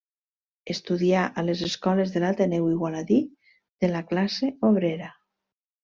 Estudià a les escoles de l'Ateneu Igualadí de la Classe Obrera.